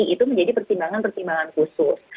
itu menjadi pertimbangan pertimbangan khusus